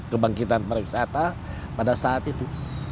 kebangkitan para wisata pada saat itu